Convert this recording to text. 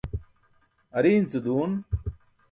Ariin ce duun.